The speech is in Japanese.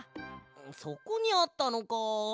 そこにあったのか。